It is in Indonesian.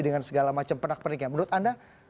dengan segala macam penak penik yang menurut anda